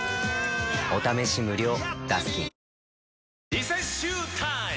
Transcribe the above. リセッシュータイム！